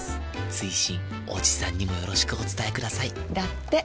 追伸おじさんにもよろしくお伝えくださいだって。